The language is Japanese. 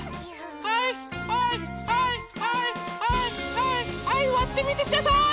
はいはいはいはいはいはいはいわってみてください！